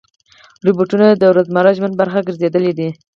روبوټونه د روزمره ژوند برخه ګرځېدلي دي.